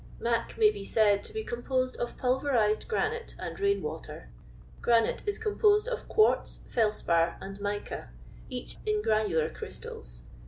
" Mac" may be said to be composed of pulverised granite and rain water. Granite is composed of quartz, felspar, and n)ica, each in granular crys tals.